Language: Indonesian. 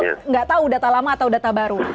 tidak tahu data lama atau data baru